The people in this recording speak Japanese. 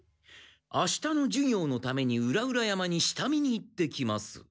「明日の授業のために裏々山に下見に行ってきます」。